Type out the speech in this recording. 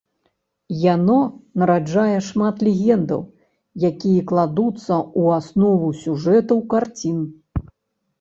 Яно нараджае шмат легендаў, які кладуцца ў аснову сюжэтаў карцін.